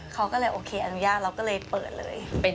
เขาก็เลยโอเคอนุญาตเราก็เลยเปิดเลย